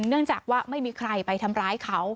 เนื่องจากว่าไม่มีใครไปทำร้ายเขา